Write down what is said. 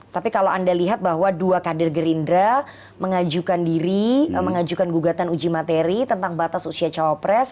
tapi kalau anda lihat bahwa dua kader gerindra mengajukan diri mengajukan gugatan uji materi tentang batas usia cawapres